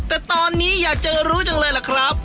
แต่ตอนนี้อยากจะรู้จังเลยล่ะครับ